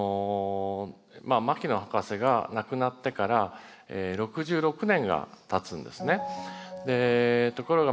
牧野博士が亡くなってから６６年がたつんですね。